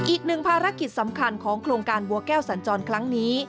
อีกหนึ่งภารกิจสำคัญของโครงการบัวแก้วสัญจรครั้งนี้